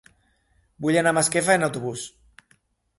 Vull anar a Masquefa amb autobús.